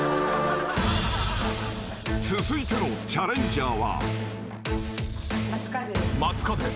［続いてのチャレンジャーは］